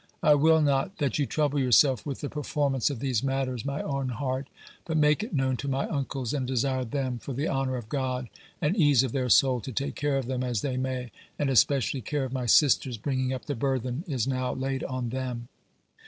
I will not that you trouble yourselfe with the performance of these matters, my own heart, but make it known to my uncles, and desire them, for the honour of God and ease of their soule, to take care of them as they may, and especially care of my sisters bringing up the burthen is now laide on them.